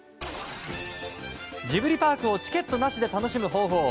ジブリパークをチケットなしで楽しむ方法。